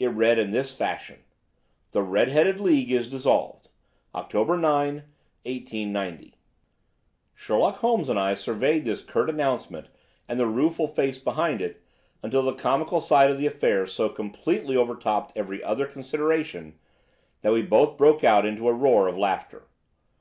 It read in this fashion: "THE RED HEADED LEAGUE IS DISSOLVED. October 9, 1890." Sherlock Holmes and I surveyed this curt announcement and the rueful face behind it, until the comical side of the affair so completely overtopped every other consideration that we both burst out into a roar of laughter.